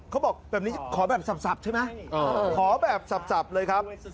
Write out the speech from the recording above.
เขาบอกแบบนี้ขอแบบสับใช่ไหมขอแบบสับเลยครับ